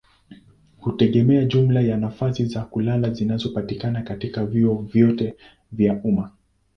hutegemea jumla ya nafasi za kulala zinazopatikana katika vyuo vyote vya umma.